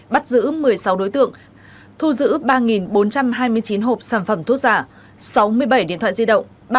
bắt giữ một mươi sáu đối tượng thu giữ ba bốn trăm hai mươi chín hộp sản phẩm thuốc giả sáu mươi bảy điện thoại di động